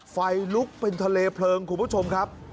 ไฟลุกเป็นทะเลเพลิงคุณผู้ชมครับ